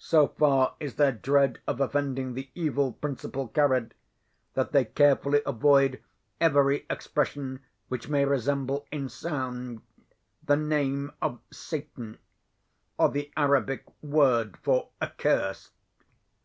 So far is their dread of offending the evil principle carried, that they carefully avoid every expression which may resemble in sound the name of Satan, or the Arabic word for 'accursed.'